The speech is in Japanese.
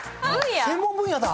専門分野だ！